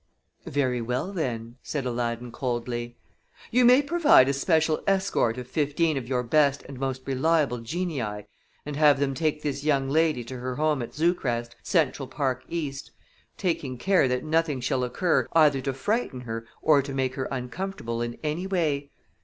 "Very well, then," said Aladdin, coldly; "you may provide a special escort of fifteen of your best and most reliable genii and have them take this young lady to her home at Zoocrest, Central Park East, taking care that nothing shall occur either to frighten her or to make her uncomfortable in any way.